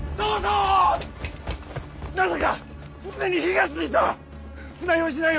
何？